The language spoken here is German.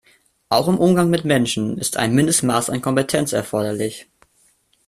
Auch im Umgang mit Menschen ist ein Mindestmaß an Kompetenz erforderlich.